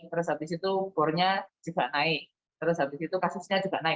terus habis itu bornya juga naik terus habis itu kasusnya juga naik